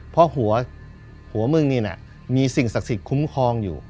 เพราะหัวมึงนี่น่ะมีสิ่งศักดิ์สิทธิ์คุ้มครองอยู่